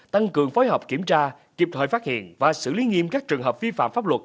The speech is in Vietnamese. tăng cường phối hợp kiểm tra kịp thời phát hiện và xử lý nghiêm các trường hợp vi phạm pháp luật